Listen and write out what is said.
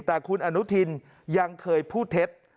แต่คุณอนุทินยังเคยพูดเท็จ